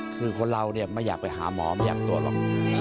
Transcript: คือคนเราเนี่ยไม่อยากไปหาหมอไม่อยากตัวหรอก